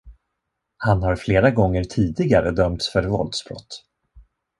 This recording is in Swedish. Han har flera gånger tidigare dömts för våldsbrott.